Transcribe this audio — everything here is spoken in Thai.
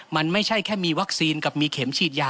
มันไม่ใช่แค่มีวัคซีนกับมีเข็มฉีดยา